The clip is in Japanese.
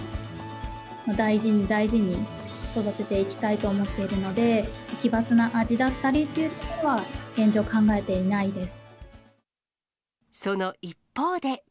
大事に大事に育てていきたいと思っているので、奇抜な味だったりということは、現状考えていその一方で。